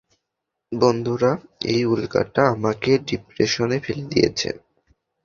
বন্ধুরা, এই উল্কাটা না আমাকে ডিপ্রেশনে ফেলে দিয়েছে!